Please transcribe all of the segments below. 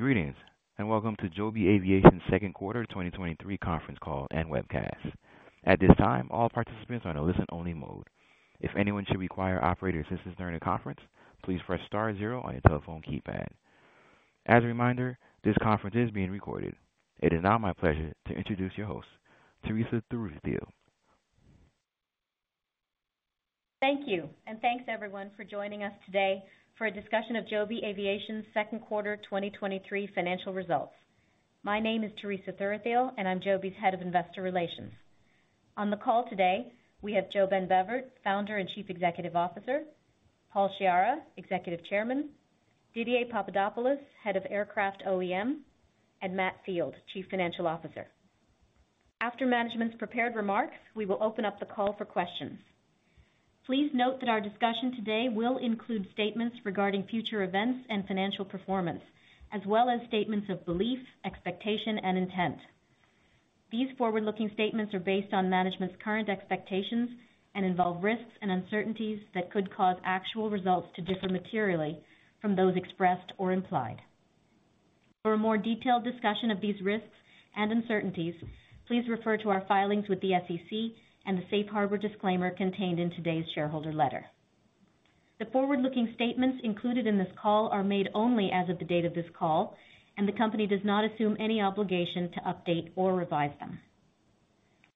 Greetings, and welcome to Joby Aviation's second quarter 2023 conference call and webcast. At this time, all participants are on a listen-only mode. If anyone should require operator assistance during the conference, please press star zero on your telephone keypad. As a reminder, this conference is being recorded. It is now my pleasure to introduce your host, Teresa Thuruthiyil. Thank you, thanks everyone for joining us today for a discussion of Joby Aviation's second quarter 2023 financial results. My name is Teresa Thuruthiyil, and I'm Joby's Head of Investor Relations. On the call today, we have JoeBen Bevirt, Founder and Chief Executive Officer, Paul Sciarra, Executive Chairman, Didier Papadopoulos, Head of Aircraft OEM, and Matt Field, Chief Financial Officer. After management's prepared remarks, we will open up the call for questions. Please note that our discussion today will include statements regarding future events and financial performance, as well as statements of belief, expectation, and intent. These forward-looking statements are based on management's current expectations and involve risks and uncertainties that could cause actual results to differ materially from those expressed or implied. For a more detailed discussion of these risks and uncertainties, please refer to our filings with the SEC and the safe harbor disclaimer contained in today's shareholder letter. The forward-looking statements included in this call are made only as of the date of this call, and the company does not assume any obligation to update or revise them.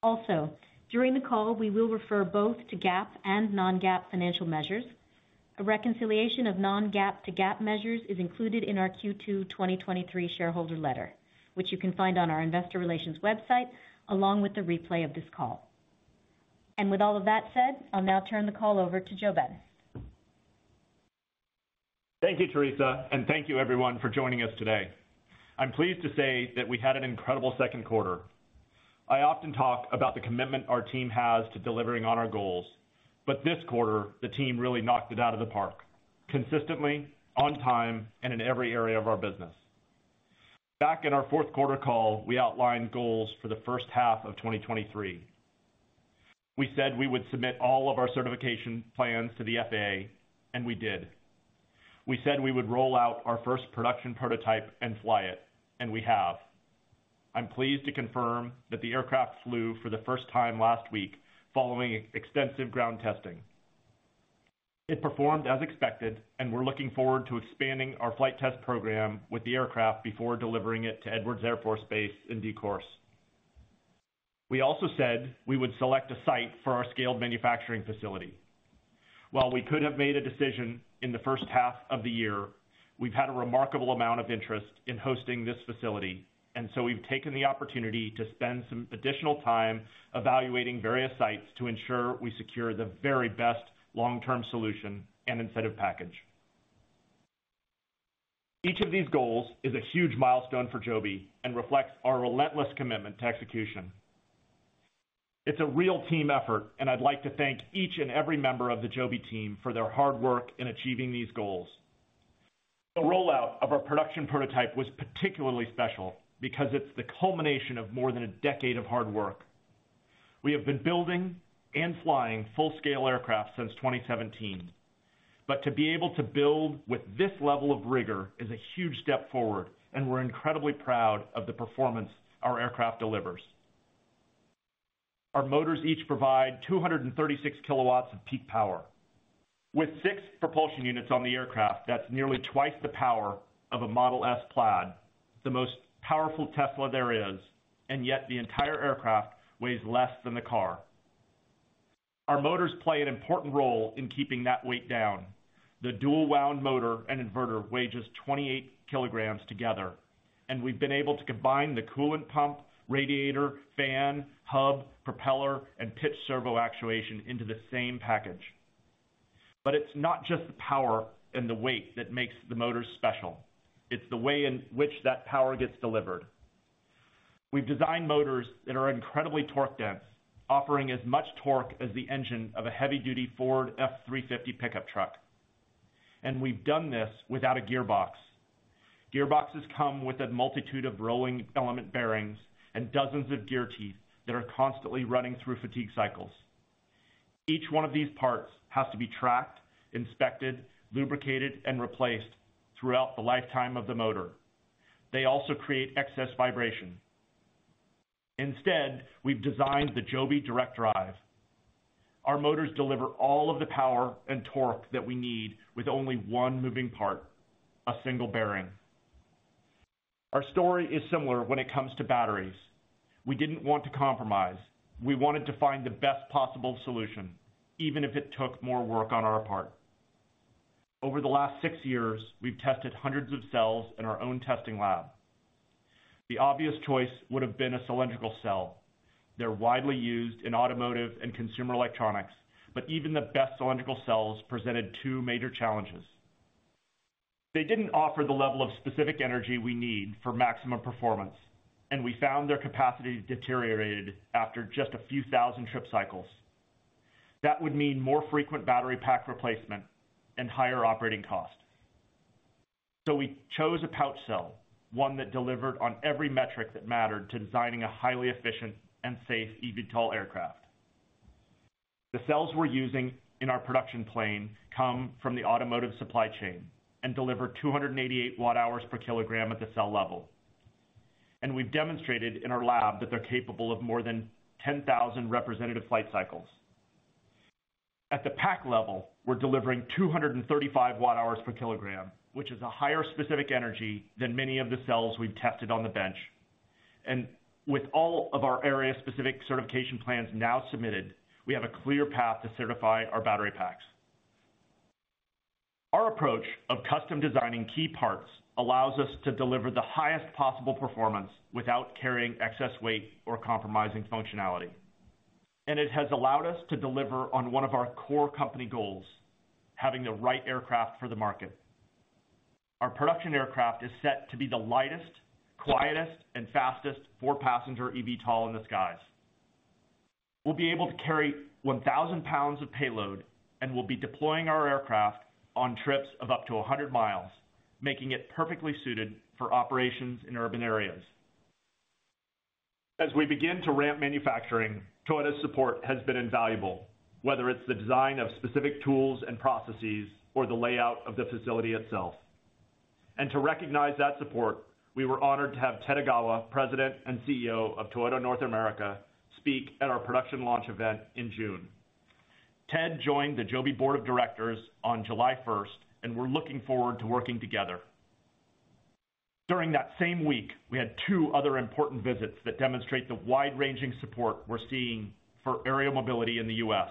Also, during the call, we will refer both to GAAP and non-GAAP financial measures. A reconciliation of non-GAAP to GAAP measures is included in our Q2 2023 shareholder letter, which you can find on our investor relations website, along with the replay of this call. With all of that said, I'll now turn the call over to JoeBen. Thank you, Teresa, and thank you everyone for joining us today. I'm pleased to say that we had an incredible second quarter. I often talk about the commitment our team has to delivering on our goals, but this quarter, the team really knocked it out of the park consistently, on time, and in every area of our business. Back in our fourth quarter call, we outlined goals for the first half of 2023. We said we would submit all of our certification plans to the FAA, and we did. We said we would roll out our first production prototype and fly it, and we have. I'm pleased to confirm that the aircraft flew for the first time last week following extensive ground testing. It performed as expected, and we're looking forward to expanding our flight test program with the aircraft before delivering it to Edwards Air Force Base in course. We also said we would select a site for our scaled manufacturing facility. While we could have made a decision in the first half of the year, we've had a remarkable amount of interest in hosting this facility, and so we've taken the opportunity to spend some additional time evaluating various sites to ensure we secure the very best long-term solution and incentive package. Each of these goals is a huge milestone for Joby and reflects our relentless commitment to execution. It's a real team effort, and I'd like to thank each and every member of the Joby team for their hard work in achieving these goals. The rollout of our production prototype was particularly special because it's the culmination of more than a decade of hard work. We have been building and flying full-scale aircraft since 2017, to be able to build with this level of rigor is a huge step forward, and we're incredibly proud of the performance our aircraft delivers. Our motors each provide 236 kW of peak power. With 6 propulsion units on the aircraft, that's nearly twice the power of a Model S Plaid, the most powerful Tesla there is, and yet the entire aircraft weighs less than the car. Our motors play an important role in keeping that weight down. The dual wound motor and inverter weigh just 28 kg together, and we've been able to combine the coolant pump, radiator, fan, hub, propeller, and pitch servo actuation into the same package. It's not just the power and the weight that makes the motor special, it's the way in which that power gets delivered. We've designed motors that are incredibly torque-dense, offering as much torque as the engine of a heavy-duty Ford F-350 pickup truck, and we've done this without a gearbox. Gearboxes come with a multitude of rolling element bearings and dozens of gear teeth that are constantly running through fatigue cycles. Each one of these parts has to be tracked, inspected, lubricated, and replaced throughout the lifetime of the motor. They also create excess vibration. Instead, we've designed the Joby Direct Drive. Our motors deliver all of the power and torque that we need with only one moving part, a single bearing. Our story is similar when it comes to batteries. We didn't want to compromise. We wanted to find the best possible solution, even if it took more work on our part. Over the last six years, we've tested hundreds of cells in our own testing lab. The obvious choice would have been a cylindrical cell. They're widely used in automotive and consumer electronics, but even the best cylindrical cells presented two major challenges. They didn't offer the level of specific energy we need for maximum performance, and we found their capacity deteriorated after just a few thousand trip cycles. That would mean more frequent battery pack replacement and higher operating costs. We chose a pouch cell, one that delivered on every metric that mattered to designing a highly efficient and safe eVTOL aircraft. The cells we're using in our production plane come from the automotive supply chain and deliver 288 Wh/kg at the cell level. We've demonstrated in our lab that they're capable of more than 10,000 representative flight cycles. At the pack level, we're delivering 235 watt-hours per kilogram, which is a higher specific energy than many of the cells we've tested on the bench. With all of our area-specific certification plans now submitted, we have a clear path to certify our battery packs. Our approach of custom-designing key parts allows us to deliver the highest possible performance without carrying excess weight or compromising functionality. It has allowed us to deliver on one of our core company goals, having the right aircraft for the market. Our production aircraft is set to be the lightest, quietest, and fastest four-passenger eVTOL in the skies. We'll be able to carry 1,000 lbs of payload, we'll be deploying our aircraft on trips of up to 100 miles, making it perfectly suited for operations in urban areas. As we begin to ramp manufacturing, Toyota's support has been invaluable, whether it's the design of specific tools and processes or the layout of the facility itself. To recognize that support, we were honored to have Ted Ogawa, President and CEO of Toyota North America, speak at our production launch event in June. Ted joined the Joby Board of Directors on July 1st, and we're looking forward to working together. During that same week, we had two other important visits that demonstrate the wide-ranging support we're seeing for aerial mobility in the U.S.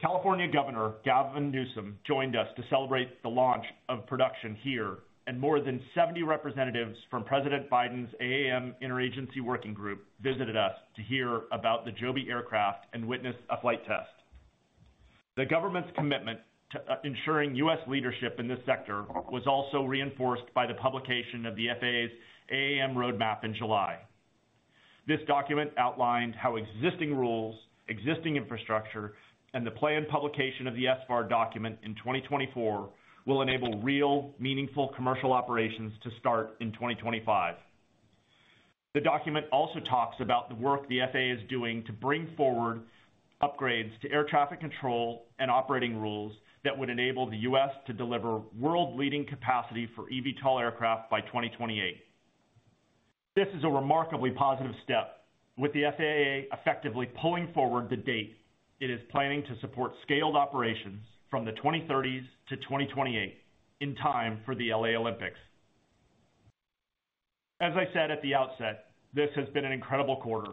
California Governor, Gavin Newsom, joined us to celebrate the launch of production here, and more than 70 representatives from President Biden's AAM Interagency Working Group visited us to hear about the Joby aircraft and witness a flight test. The government's commitment to ensuring U.S. leadership in this sector was also reinforced by the publication of the FAA's AAM Roadmap in July. This document outlined how existing rules, existing infrastructure, and the planned publication of the SFAR document in 2024, will enable real, meaningful commercial operations to start in 2025. The document also talks about the work the FAA is doing to bring forward upgrades to air traffic control and operating rules that would enable the U.S. to deliver world-leading capacity for eVTOL aircraft by 2028. This is a remarkably positive step, with the FAA effectively pulling forward the date it is planning to support scaled operations from the 2030s to 2028, in time for the LA Olympics. As I said at the outset, this has been an incredible quarter.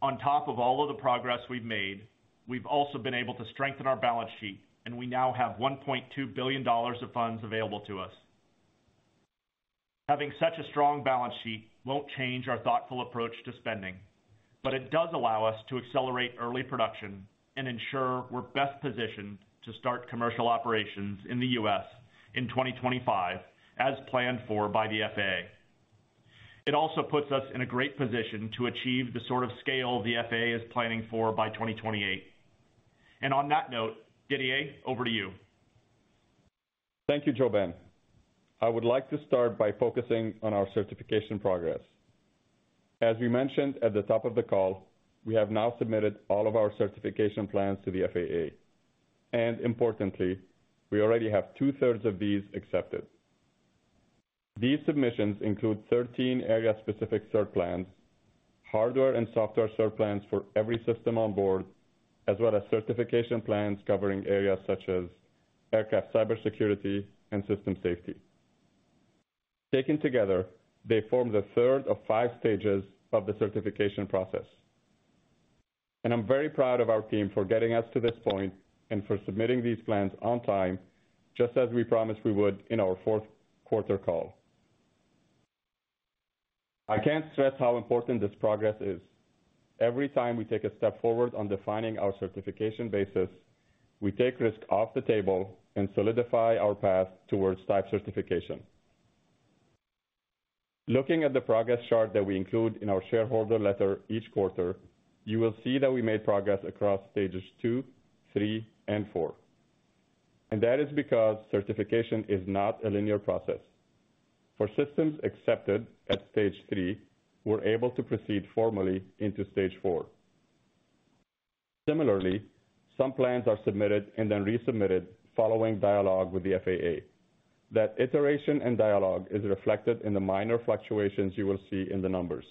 On top of all of the progress we've made, we've also been able to strengthen our balance sheet, and we now have $1.2 billion of funds available to us. Having such a strong balance sheet won't change our thoughtful approach to spending, but it does allow us to accelerate early production and ensure we're best positioned to start commercial operations in the U.S. in 2025, as planned for by the FAA. It also puts us in a great position to achieve the sort of scale the FAA is planning for by 2028. On that note, Didier, over to you. Thank you, JoeBen. I would like to start by focusing on our certification progress. As we mentioned at the top of the call, we have now submitted all of our certification plans to the FAA. Importantly, we already have 2/3 of these accepted. These submissions include 13 area-specific cert plans, hardware and software cert plans for every system on board, as well as certification plans covering areas such as aircraft cybersecurity and system safety. Taken together, they form the third of five stages of the certification process. I'm very proud of our team for getting us to this point and for submitting these plans on time, just as we promised we would in our fourth quarter call. I can't stress how important this progress is. Every time we take a step forward on defining our certification basis, we take risk off the table and solidify our path towards type certification. Looking at the progress chart that we include in our shareholder letter each quarter, you will see that we made progress across stages 2, 3, and 4. That is because certification is not a linear process. For systems accepted at stage 3, we're able to proceed formally into stage 4. Similarly, some plans are submitted and then resubmitted following dialogue with the FAA. That iteration and dialogue is reflected in the minor fluctuations you will see in the numbers.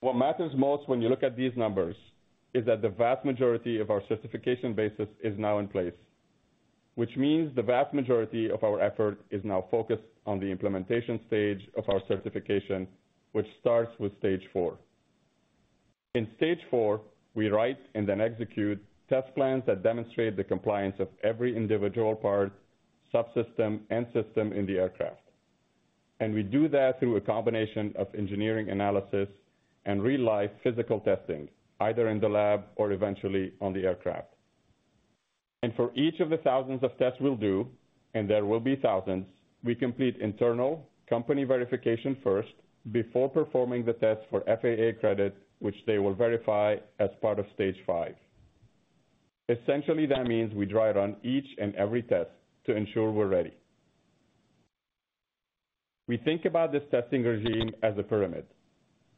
What matters most when you look at these numbers is that the vast majority of our certification basis is now in place, which means the vast majority of our effort is now focused on the implementation stage of our certification, which starts with stage 4. In stage four, we write and then execute test plans that demonstrate the compliance of every individual part, subsystem, and system in the aircraft. We do that through a combination of engineering analysis and real-life physical testing, either in the lab or eventually on the aircraft. For each of the thousands of tests we'll do, and there will be thousands, we complete internal company verification first before performing the test for FAA credit, which they will verify as part of stage five. Essentially, that means we dry run each and every test to ensure we're ready. We think about this testing regime as a pyramid,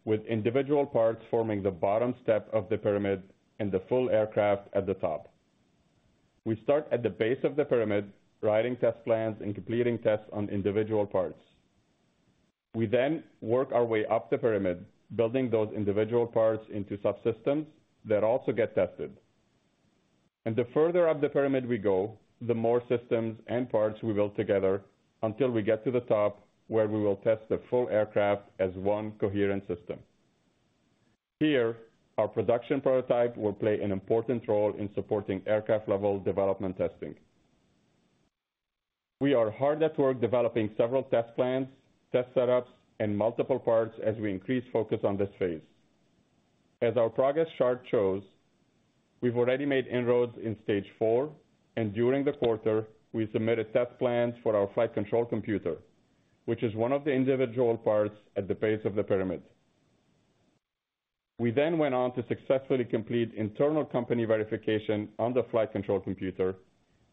with individual parts forming the bottom step of the pyramid and the full aircraft at the top. We start at the base of the pyramid, writing test plans and completing tests on individual parts. We work our way up the pyramid, building those individual parts into subsystems that also get tested. The further up the pyramid we go, the more systems and parts we build together, until we get to the top, where we will test the full aircraft as one coherent system. Here, our production prototype will play an important role in supporting aircraft-level development testing. We are hard at work developing several test plans, test setups, and multiple parts as we increase focus on this phase. As our progress chart shows, we've already made inroads in Stage 4, and during the quarter, we submitted test plans for our Flight Control Computer, which is one of the individual parts at the base of the pyramid. We went on to successfully complete internal company verification on the Flight Control Computer,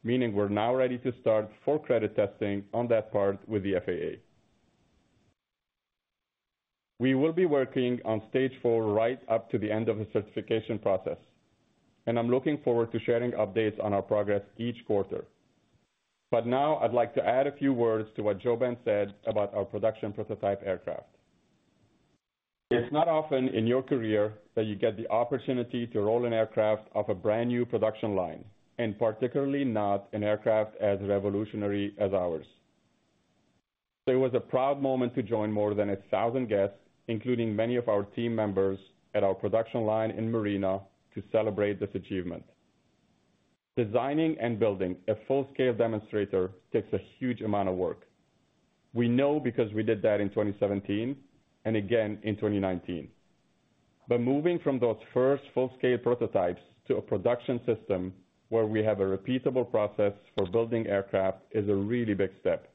meaning we're now ready to start full credit testing on that part with the FAA. We will be working on stage 4 right up to the end of the certification process, and I'm looking forward to sharing updates on our progress each quarter. Now I'd like to add a few words to what JoeBen said about our production prototype aircraft. It's not often in your career that you get the opportunity to roll an aircraft off a brand-new production line, and particularly not an aircraft as revolutionary as ours. It was a proud moment to join more than 1,000 guests, including many of our team members, at our production line in Marina to celebrate this achievement. Designing and building a full-scale demonstrator takes a huge amount of work. We know because we did that in 2017 and again in 2019. Moving from those first full-scale prototypes to a production system where we have a repeatable process for building aircraft, is a really big step.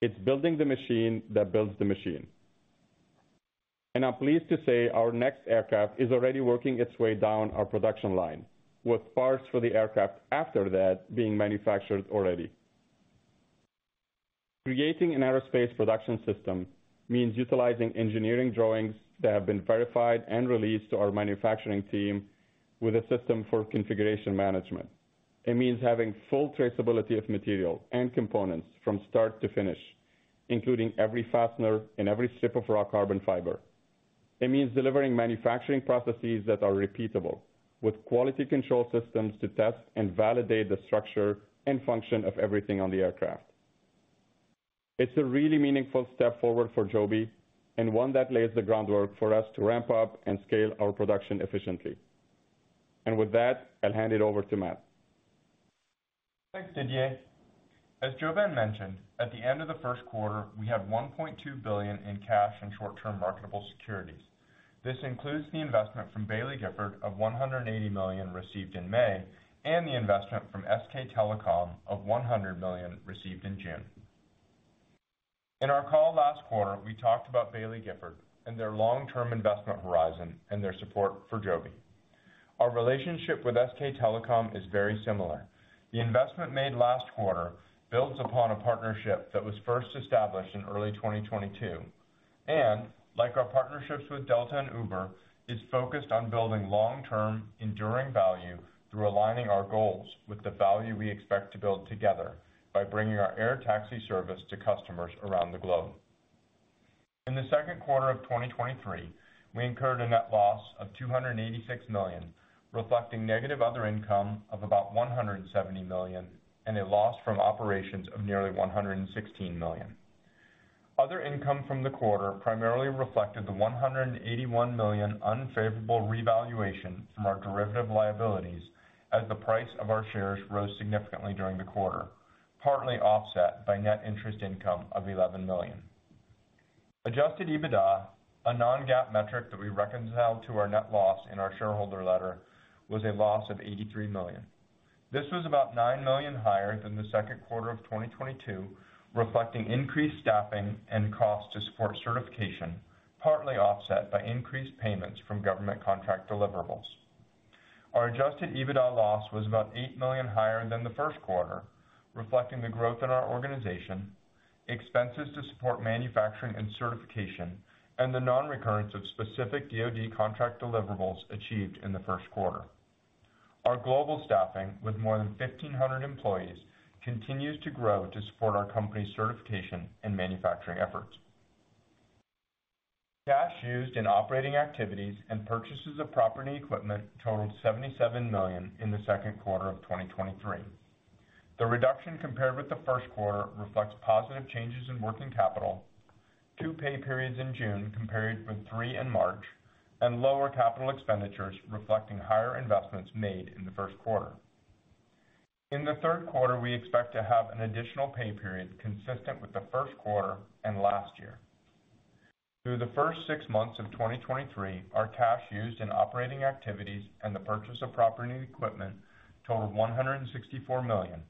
It's building the machine that builds the machine. I'm pleased to say our next aircraft is already working its way down our production line, with parts for the aircraft after that being manufactured already. Creating an aerospace production system means utilizing engineering drawings that have been verified and released to our manufacturing team with a system for configuration management. It means having full traceability of material and components from start to finish, including every fastener and every strip of raw carbon fiber. It means delivering manufacturing processes that are repeatable, with quality control systems to test and validate the structure and function of everything on the aircraft. It's a really meaningful step forward for Joby, and one that lays the groundwork for us to ramp up and scale our production efficiently. With that, I'll hand it over to Matt. Thanks, Didier. As JoeBen mentioned, at the end of the first quarter, we had $1.2 billion in cash and short-term marketable securities. This includes the investment from Baillie Gifford of $180 million received in May, and the investment from SK Telecom of $100 million received in June. In our call last quarter, we talked about Baillie Gifford and their long-term investment horizon and their support for Joby. Our relationship with SK Telecom is very similar. The investment made last quarter builds upon a partnership that was first established in early 2022, and like our partnerships with Delta and Uber, is focused on building long-term, enduring value through aligning our goals with the value we expect to build together by bringing our air taxi service to customers around the globe. In the second quarter of 2023, we incurred a net loss of $286 million, reflecting negative other income of about $170 million and a loss from operations of nearly $116 million. Other income from the quarter primarily reflected the $181 million unfavorable revaluation from our derivative liabilities, as the price of our shares rose significantly during the quarter, partly offset by net interest income of $11 million. Adjusted EBITDA, a non-GAAP metric that we reconcile to our net loss in our shareholder letter, was a loss of $83 million. This was about $9 million higher than the second quarter of 2022, reflecting increased staffing and cost to support certification, partly offset by increased payments from government contract deliverables. Our Adjusted EBITDA loss was about $8 million higher than the first quarter, reflecting the growth in our organization, expenses to support manufacturing and certification, and the non-recurrence of specific DoD contract deliverables achieved in the first quarter. Our global staffing, with more than 1,500 employees, continues to grow to support our company's certification and manufacturing efforts. Cash used in operating activities and purchases of property equipment totaled $77 million in the second quarter of 2023. The reduction compared with the first quarter reflects positive changes in working capital, two pay periods in June, compared with three in March, and lower capital expenditures, reflecting higher investments made in the first quarter. In the third quarter, we expect to have an additional pay period consistent with the first quarter and last year. Through the first six months of 2023, our cash used in operating activities and the purchase of property and equipment totaled $164 million.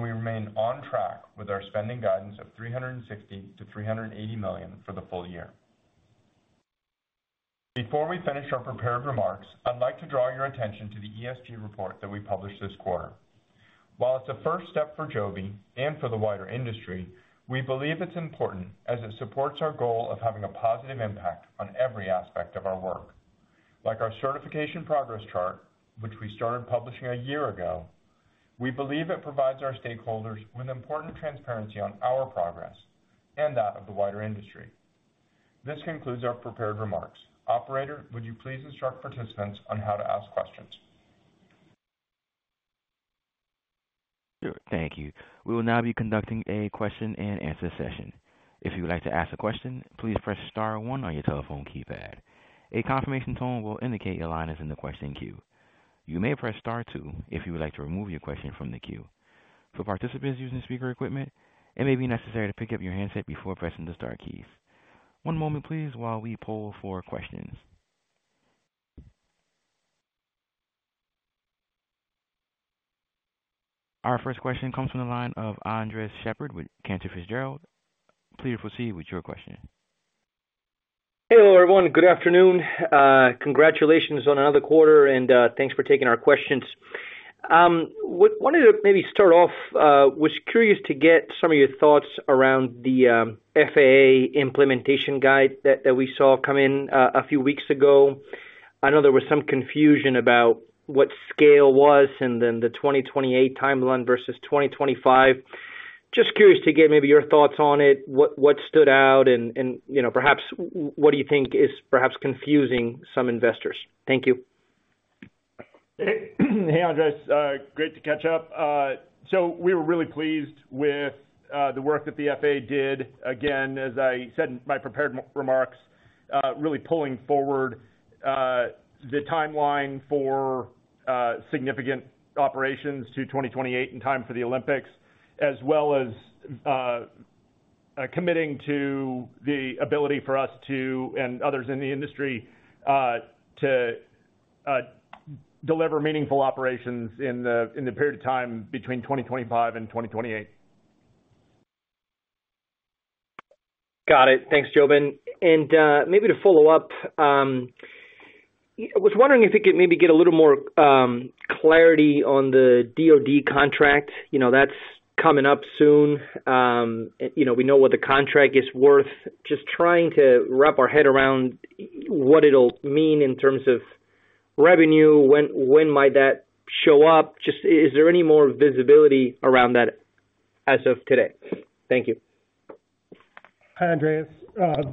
We remain on track with our spending guidance of $360 million-$380 million for the full year. Before we finish our prepared remarks, I'd like to draw your attention to the ESG report that we published this quarter. While it's a first step for Joby and for the wider industry, we believe it's important as it supports our goal of having a positive impact on every aspect of our work. Like our certification progress chart, which we started publishing a year ago, we believe it provides our stakeholders with important transparency on our progress and that of the wider industry. This concludes our prepared remarks. Operator, would you please instruct participants on how to ask questions? Sure. Thank you. We will now be conducting a question-and-answer session. If you would like to ask a question, please press star one on your telephone keypad. A confirmation tone will indicate your line is in the question queue. You may press star two if you would like to remove your question from the queue. For participants using speaker equipment, it may be necessary to pick up your handset before pressing the star keys. One moment, please, while we poll for questions. Our first question comes from the line of Andres Sheppard with Cantor Fitzgerald. Please proceed with your question. Hello, everyone. Good afternoon. Congratulations on another quarter, and thanks for taking our questions. Wanted to maybe start off, was curious to get some of your thoughts around the FAA implementation guide that we saw come in a few weeks ago. I know there was some confusion about what scale was and then the 2028 timeline versus 2025. Just curious to get maybe your thoughts on it. What, what stood out and, you know, perhaps what do you think is perhaps confusing some investors? Thank you. Hey, Andres, great to catch up. We were really pleased with the work that the FAA did. Again, as I said in my prepared remarks, really pulling forward the timeline for significant operations to 2028 in time for the Olympics, as well as committing to the ability for us to, and others in the industry, to deliver meaningful operations in the period of time between 2025 and 2028. Got it. Thanks, Jobin. Maybe to follow up, I was wondering if you could maybe get a little more clarity on the DoD contract. You know, that's coming up soon. You know, we know what the contract is worth. Just trying to wrap our head around w- what it'll mean in terms of revenue. When, when might that show up? Just i- is there any more visibility around that as of today? Thank you. Hi, Andres,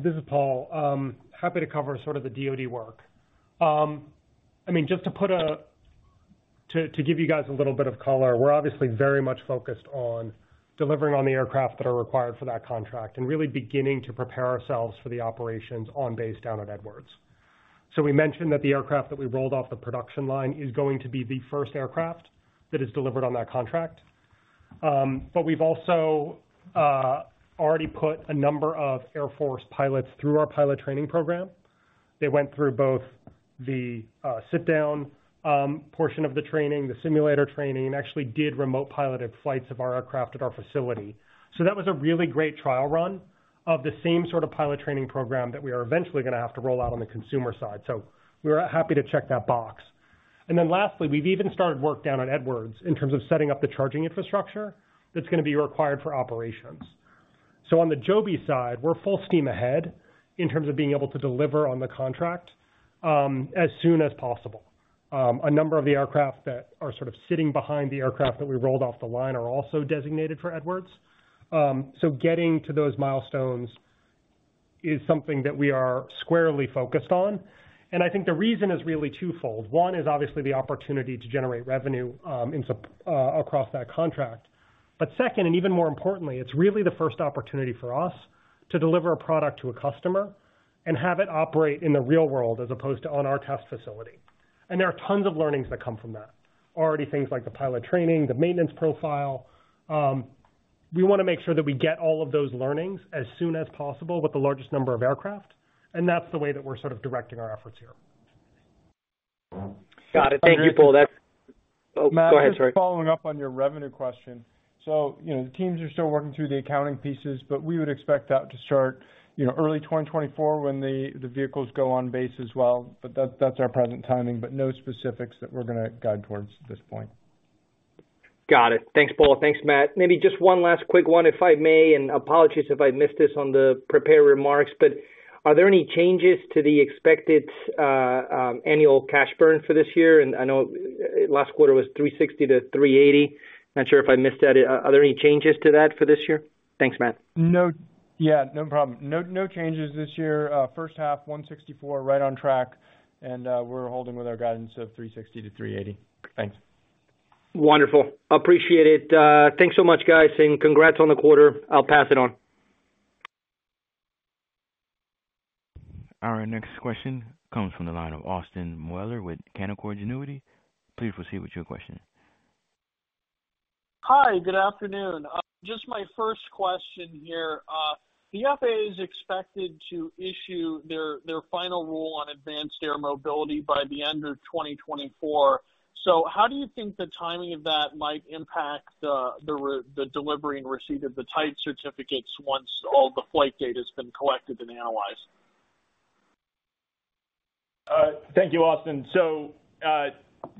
this is Paul. Happy to cover sort of the DoD work. I mean, to give you guys a little bit of color, we're obviously very much focused on delivering on the aircraft that are required for that contract and really beginning to prepare ourselves for the operations on base down at Edwards. We mentioned that the aircraft that we rolled off the production line is going to be the first aircraft that is delivered on that contract. We've also already put a number of Air Force pilots through our pilot training program. They went through both the sit-down portion of the training, the simulator training, and actually did remote piloted flights of our aircraft at our facility. That was a really great trial run of the same sort of pilot training program that we are eventually going to have to roll out on the consumer side. We're happy to check that box. Then lastly, we've even started work down on Edwards in terms of setting up the charging infrastructure that's going to be required for operations. On the Joby side, we're full steam ahead in terms of being able to deliver on the contract as soon as possible. A number of the aircraft that are sort of sitting behind the aircraft that we rolled off the line are also designated for Edwards. Getting to those milestones is something that we are squarely focused on, and I think the reason is really twofold. One is obviously the opportunity to generate revenue in sup- across that contract. Second, and even more importantly, it's really the first opportunity for us to deliver a product to a customer and have it operate in the real world as opposed to on our test facility. There are tons of learnings that come from that. Already things like the pilot training, the maintenance profile. We want to make sure that we get all of those learnings as soon as possible with the largest number of aircraft, and that's the way that we're sort of directing our efforts here. Got it. Thank you, Paul. That's... Oh, go ahead, sorry. Matt, just following up on your revenue question. You know, the teams are still working through the accounting pieces, we would expect that to start, you know, early 2024 when the, the vehicles go on base as well. That, that's our present timing, but no specifics that we're going to guide towards at this point. Got it. Thanks, Paul. Thanks, Matt. Maybe just one last quick one, if I may, and apologies if I missed this on the prepared remarks, but are there any changes to the expected annual cash burn for this year? I know last quarter was $360 million-$380 million. Not sure if I missed that. Are there any changes to that for this year? Thanks, Matt. No. Yeah, no problem. No, no changes this year. First half, $164, right on track, we're holding with our guidance of $360-$380. Thanks. Wonderful. Appreciate it. Thanks so much, guys, congrats on the quarter. I'll pass it on. Our next question comes from the line of Austin Moeller with Canaccord Genuity. Please proceed with your question. Hi, good afternoon. Just my first question here. The FAA is expected to issue their, their final rule on Advanced Air Mobility by the end of 2024. How do you think the timing of that might impact the, the re- the delivery and receipt of the type certificates once all the flight data has been collected and analyzed? Thank you, Austin.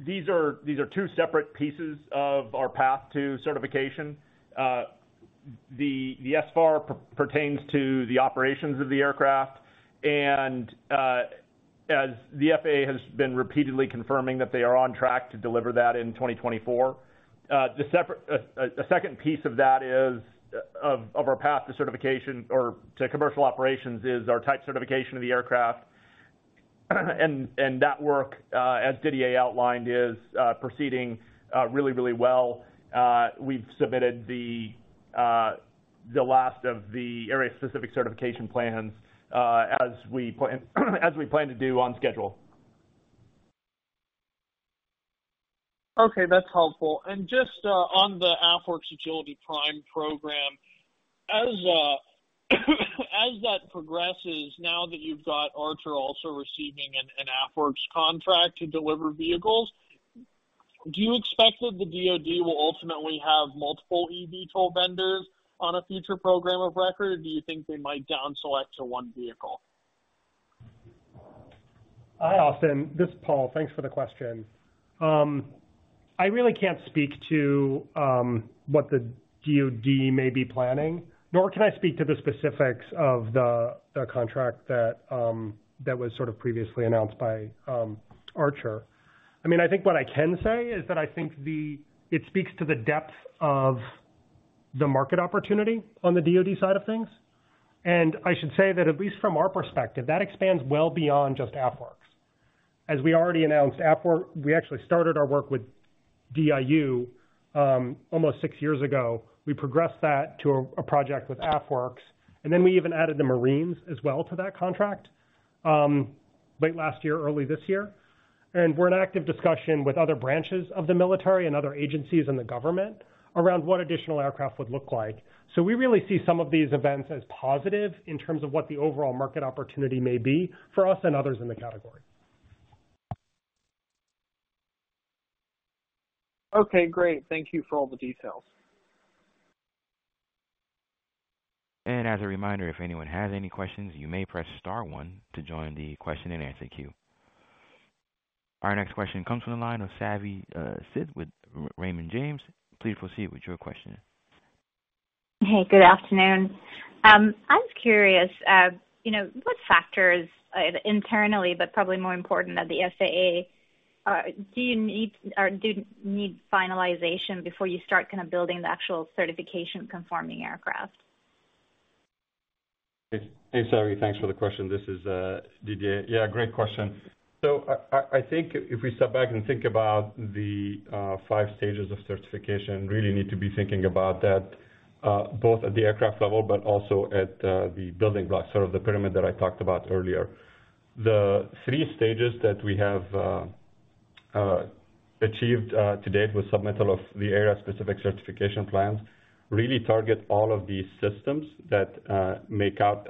These are, these are two separate pieces of our path to certification. The SFAR pertains to the operations of the aircraft, and as the FAA has been repeatedly confirming that they are on track to deliver that in 2024. The separate, the second piece of that is of our path to certification or to commercial operations, is our type certification of the aircraft. That work, as Didier outlined, is proceeding really, really well. We've submitted the last of the area-specific certification plans, as we plan to do on schedule. Okay, that's helpful. Just on the AFWERX Agility Prime program, as that progresses, now that you've got Archer also receiving an AFWERX contract to deliver vehicles, do you expect that the DoD will ultimately have multiple eVTOL vendors on a future program of record, or do you think they might down select to one vehicle? Hi, Austin. This is Paul. Thanks for the question. I really can't speak to what the DoD may be planning, nor can I speak to the specifics of the, the contract that was sort of previously announced by Archer. I mean, I think what I can say is that I think it speaks to the depth of the market opportunity on the DoD side of things. I should say that, at least from our perspective, that expands well beyond just AFWERX. As we already announced, we actually started our work with DIU almost six years ago. We progressed that to a project with AFWERX, and then we even added the Marines as well to that contract late last year, early this year. We're in active discussion with other branches of the military and other agencies in the government around what additional aircraft would look like. We really see some of these events as positive in terms of what the overall market opportunity may be for us and others in the category. Okay, great. Thank you for all the details. As a reminder, if anyone has any questions, you may press star one to join the question and answer queue. Our next question comes from the line of Savi Syth with Raymond James. Please proceed with your question. Hey, good afternoon. I was curious, you know, what factors, internally, but probably more important at the FAA, do you need or do need finalization before you start kind of building the actual certification-conforming aircraft? Hey, Savi, thanks for the question. This is Didier. Yeah, great question. I, I, I think if we step back and think about the five stages of certification, really need to be thinking about that both at the aircraft level but also at the building blocks, sort of the pyramid that I talked about earlier. The three stages that we have achieved to date with submittal of the area-specific certification plans, really target all of these systems that make out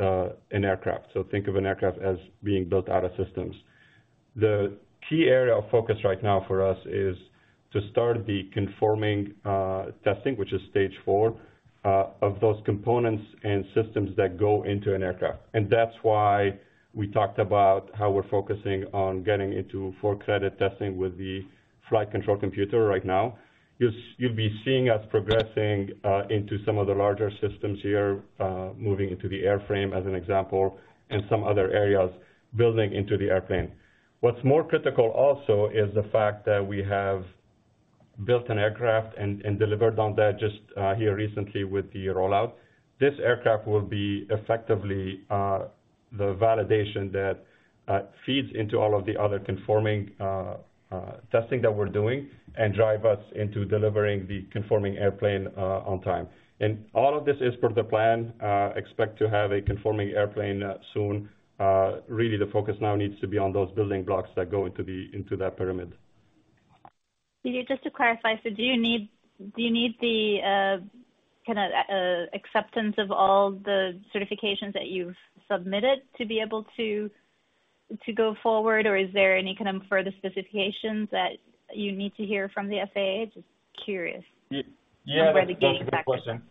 an aircraft. Think of an aircraft as being built out of systems. The key area of focus right now for us is to start the conforming testing, which is stage four of those components and systems that go into an aircraft. That's why we talked about how we're focusing on getting into full credit testing with the Flight Control Computer right now. You'll, you'll be seeing us progressing into some of the larger systems here, moving into the airframe, as an example, and some other areas building into the airplane. What's more critical also is the fact that we have built an aircraft and, and delivered on that just here recently with the rollout. This aircraft will be effectively the validation that feeds into all of the other conforming testing that we're doing and drive us into delivering the conforming airplane on time. All of this is per the plan, expect to have a conforming airplane soon. Really, the focus now needs to be on those building blocks that go into the, into that pyramid. Didier, just to clarify, do you need, do you need the, kind of, acceptance of all the certifications that you've submitted to be able to, to go forward? Or is there any kind of further specifications that you need to hear from the FAA? Just curious? Yeah, that's a great question.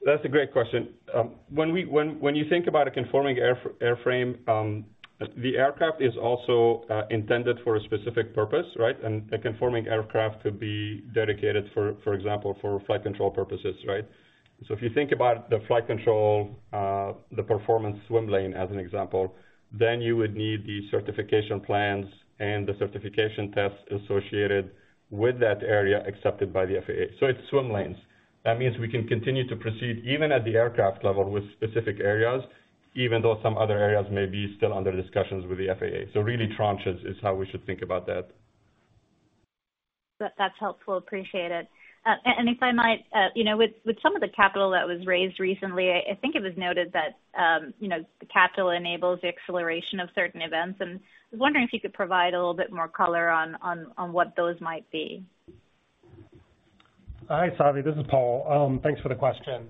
About the game factor. That's a great question. When you think about a conforming airframe, the aircraft is also intended for a specific purpose, right? A conforming aircraft could be dedicated, for, for example, for flight control purposes, right? If you think about the flight control, the performance swim lane, as an example, then you would need the certification plans and the certification tests associated with that area accepted by the FAA. It's swim lanes. That means we can continue to proceed, even at the aircraft level, with specific areas, even though some other areas may be still under discussions with the FAA. Really tranches is how we should think about that. That, that's helpful. Appreciate it. If I might, you know, with some of the capital that was raised recently, I think it was noted that, you know, the capital enables the acceleration of certain events. I was wondering if you could provide a little bit more color on what those might be? Hi, Savi, this is Paul. Thanks for the question.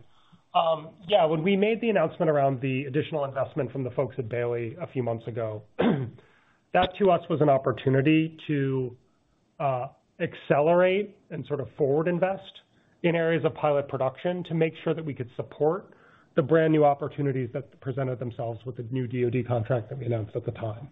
Yeah, when we made the announcement around the additional investment from the folks at Baillie Gifford a few months ago, that to us was an opportunity to- accelerate and sort of forward invest in areas of pilot production to make sure that we could support the brand new opportunities that presented themselves with the new DoD contract that we announced at the time.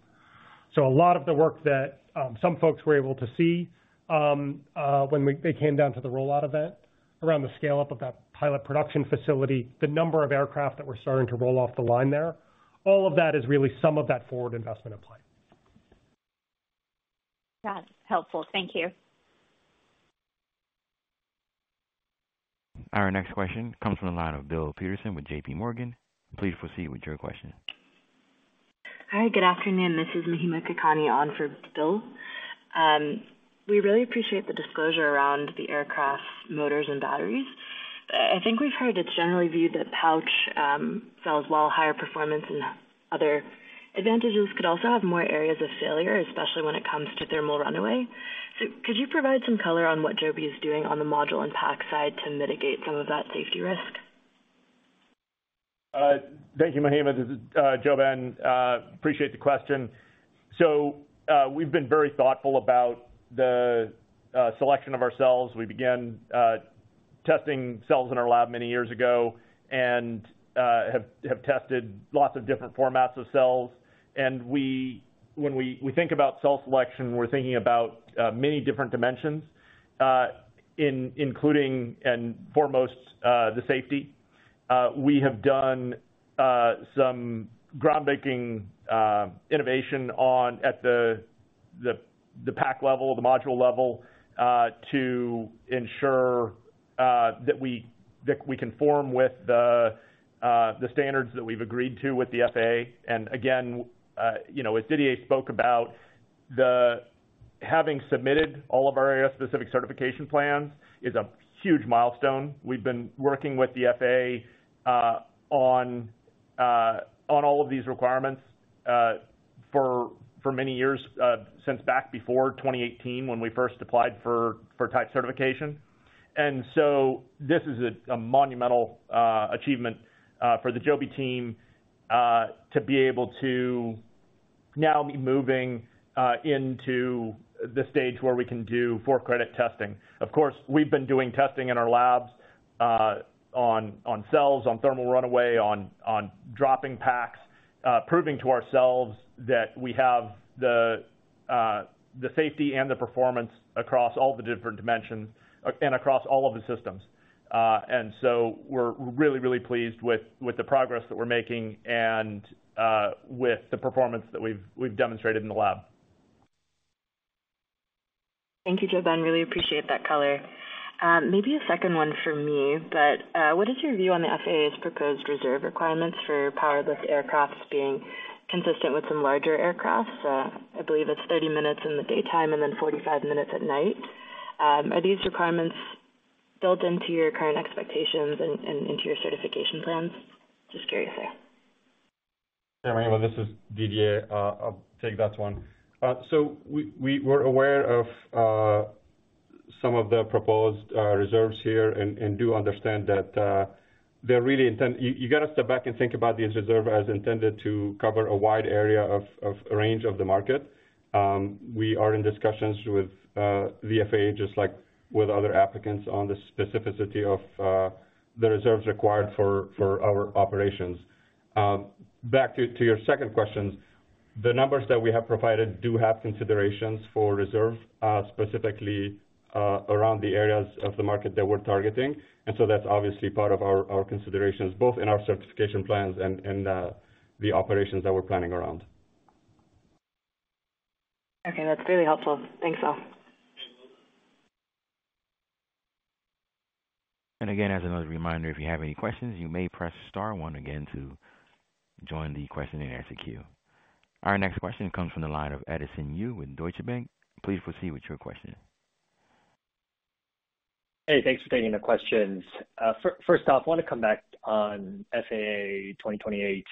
A lot of the work that, some folks were able to see, when they came down to the rollout event around the scale-up of that pilot production facility, the number of aircraft that were starting to roll off the line there, all of that is really some of that forward investment in play. That's helpful. Thank you. Our next question comes from the line of Bill Peterson with JP Morgan. Please proceed with your question. Hi, good afternoon. This is Mahima Kakani on for Bill. We really appreciate the disclosure around the aircraft's motors and batteries. I think we've heard it's generally viewed that pouch cells, well, higher performance and other advantages could also have more areas of failure, especially when it comes to thermal runaway. Could you provide some color on what Joby is doing on the module and pack side to mitigate some of that safety risk? Thank you, Mahima. This is JoeBen. Appreciate the question. We've been very thoughtful about the selection of our cells. We began testing cells in our lab many years ago and have, have tested lots of different formats of cells. We when we, we think about cell selection, we're thinking about many different dimensions, including and foremost, the safety. We have done some groundbreaking innovation on at the, the, the pack level, the module level, to ensure that we, that we conform with the standards that we've agreed to with the FAA. Again, you know, as Didier spoke about, the having submitted all of our area-specific certification plans is a huge milestone. We've been working with the FAA on all of these requirements for many years, since back before 2018, when we first applied for type certification. This is a monumental achievement for the Joby team to be able to now be moving into the stage where we can do for-credit testing. Of course, we've been doing testing in our labs on cells, on thermal runaway, on dropping packs, proving to ourselves that we have the safety and the performance across all the different dimensions and across all of the systems. We're really, really pleased with the progress that we're making and with the performance that we've demonstrated in the lab. Thank you, JoeBen. Really appreciate that color. Maybe a second one for me, what is your view on the FAA's proposed reserve requirements for powered-lift aircraft being consistent with some larger aircrafts? I believe it's 30 minutes in the daytime and then 45 minutes at night. Are these requirements built into your current expectations and into your certification plans? Just curious there. Yeah, Mahima, this is Didier. I'll take that one. We, we were aware of some of the proposed reserves here and do understand that they're really intent... You, you got to step back and think about these reserve as intended to cover a wide area of, of range of the market. We are in discussions with the FAA, just like with other applicants, on the specificity of the reserves required for, for our operations. Back to, to your second question. The numbers that we have provided do have considerations for reserve, specifically around the areas of the market that we're targeting. That's obviously part of our, our considerations, both in our certification plans and, and the operations that we're planning around. Okay. That's really helpful. Thanks, all. Again, as another reminder, if you have any questions, you may press star one again to join the question-and-answer queue. Our next question comes from the line of Edison Yu with Deutsche Bank. Please proceed with your question. Hey, thanks for taking the questions. First off, I want to come back on FAA 2028.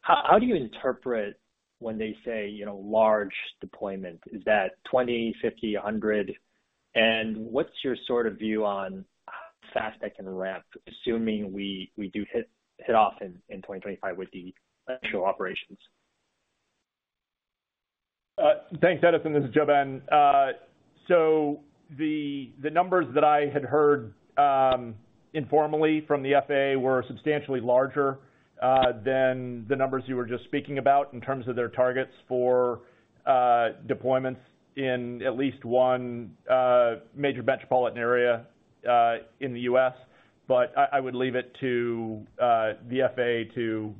How do you interpret when they say, you know, large deployment? Is that 20, 50, 100? What's your sort of view on Fast Tech and ramp, assuming we do hit off in 2025 with the actual operations? Thanks, Edison. This is JoeBen. The, the numbers that I had heard, informally from the FAA were substantially larger, than the numbers you were just speaking about in terms of their targets for, deployments in at least one, major metropolitan area, in the U.S. I, I would leave it to, the FAA to,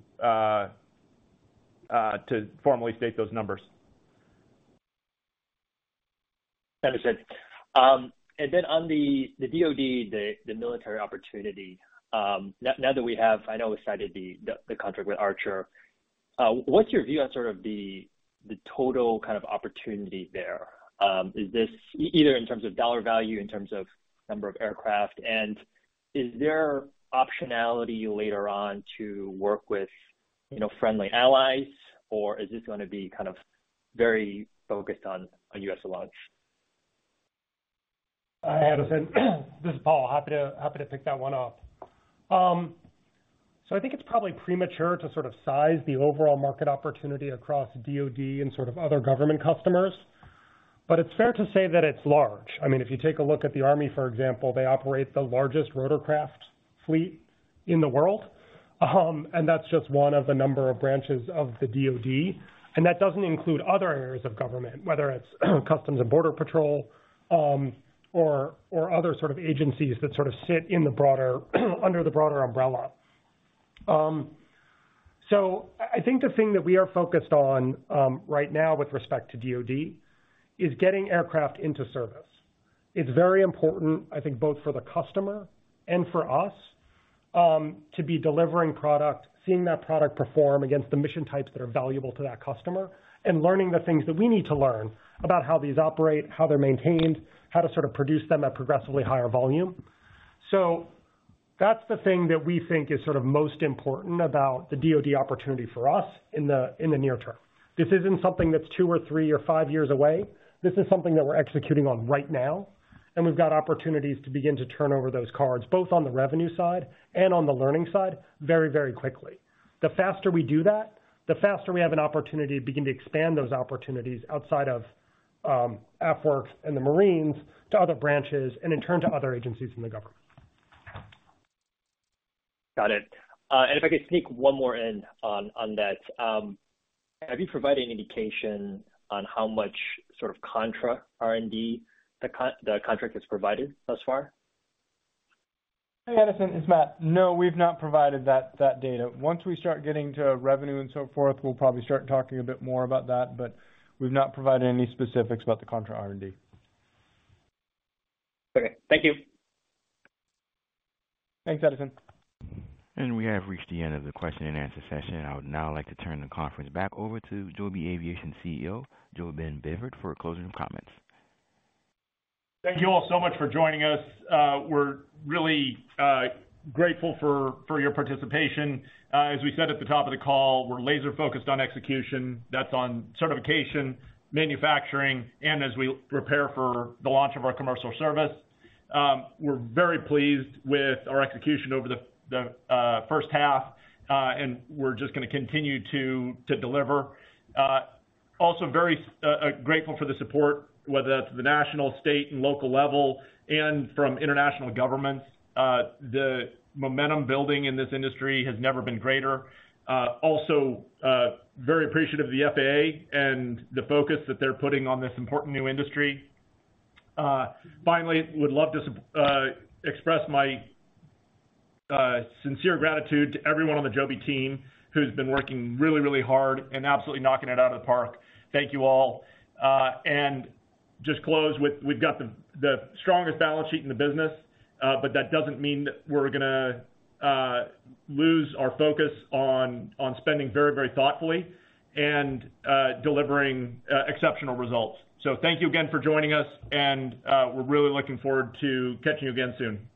to formally state those numbers. Understood. Then on the DoD, the military opportunity, now that we have I know we cited the contract with Archer, what's your view on sort of the total kind of opportunity there? Is this either in terms of dollar value, in terms of number of aircraft, and is there optionality later on to work with, you know, friendly allies, or is this going to be kind of very focused on, on U.S. allies? Hi, Edison, this is Paul. Happy to, happy to pick that one up. I think it's probably premature to sort of size the overall market opportunity across DoD and sort of other government customers, but it's fair to say that it's large. I mean, if you take a look at the Army, for example, they operate the largest rotorcraft fleet in the world. That's just one of the number of branches of the DoD, and that doesn't include other areas of government, whether it's Customs and Border Protection, or, or other sort of agencies that sort of sit in the broader, under the broader umbrella. I, I think the thing that we are focused on, right now with respect to DoD is getting aircraft into service. It's very important, I think, both for the customer and for us, to be delivering product, seeing that product perform against the mission types that are valuable to that customer, and learning the things that we need to learn about how these operate, how they're maintained, how to sort of produce them at progressively higher volume. That's the thing that we think is sort of most important about the DoD opportunity for us in the, in the near term. This isn't something that's two or three or five years away. This is something that we're executing on right now, and we've got opportunities to begin to turn over those cards, both on the revenue side and on the learning side, very, very quickly. The faster we do that, the faster we have an opportunity to begin to expand those opportunities outside of AFWERX and the Marines to other branches and in turn, to other agencies in the government. Got it. And if I could sneak one more in on, on that. Have you provided any indication on how much sort of contra R&D the contract has provided thus far? Hey, Edison, it's Matt. No, we've not provided that data. Once we start getting to revenue and so forth, we'll probably start talking a bit more about that. We've not provided any specifics about the contra R&D. Okay. Thank you. Thanks, Edison. We have reached the end of the question and answer session. I would now like to turn the conference back over to Joby Aviation CEO, JoeBen Bevirt, for closing comments. Thank you all so much for joining us. We're really grateful for your participation. As we said at the top of the call, we're laser focused on execution. That's on certification, manufacturing, and as we prepare for the launch of our commercial service. We're very pleased with our execution over the first half, and we're just gonna continue to deliver. Also very grateful for the support, whether that's the national, state, and local level and from international governments. The momentum building in this industry has never been greater. Also, very appreciative of the FAA and the focus that they're putting on this important new industry. Finally, would love to express my sincere gratitude to everyone on the Joby team who's been working really, really hard and absolutely knocking it out of the park. Thank you all. Just close with we've got the strongest balance sheet in the business, but that doesn't mean that we're gonna lose our focus on spending very, very thoughtfully and delivering exceptional results. Thank you again for joining us, and we're really looking forward to catching you again soon.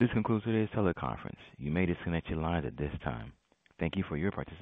This concludes today's teleconference. You may disconnect your lines at this time. Thank you for your participation.